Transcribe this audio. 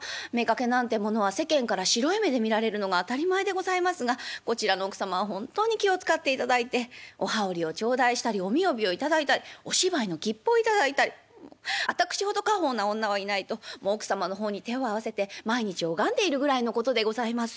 妾なんてものは世間から白い目で見られるのが当たり前でございますがこちらの奥様は本当に気を遣っていただいてお羽織を頂戴したりおみ帯を頂いたりお芝居の切符を頂いたり私ほど果報な女はいないともう奥様の方に手を合わせて毎日拝んでいるぐらいのことでございます」。